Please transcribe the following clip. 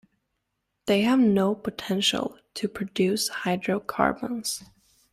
They have no potential to produce hydrocarbons.